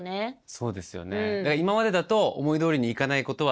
そうですね。